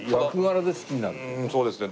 そうですね。